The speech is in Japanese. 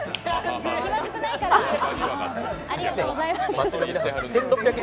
気まずくないから、ありがとうございます。